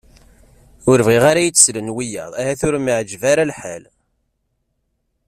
Ue bɣiɣ ara ad iyi-d-slen wiyaḍ ahat ur am-iɛeǧǧeb ara lḥal.